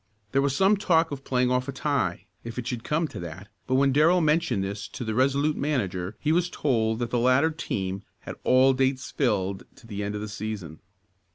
There was some talk of playing off a tie, if it should come to that, but when Darrell mentioned this to the Resolute manager he was told that the latter team had all dates filled to the end of the season.